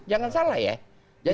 jangan salah ya